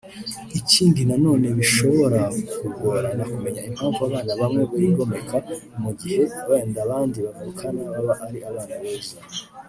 Ikindi nanone bishobora kugorana kumenya impamvu abana bamwe bigomeka mu gihe wenda abandi bavukana baba ari abana beza